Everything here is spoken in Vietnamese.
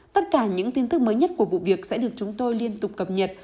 tất cả những tin tức mới nhất của vụ việc sẽ được chúng tôi liên tục cập nhật